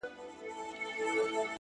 حتمآ به ټول ورباندي وسوځيږي;